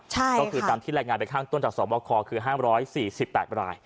ก็คือตามที่รายงานไปข้างต้นจากสวบคคือ๕๔๘ราย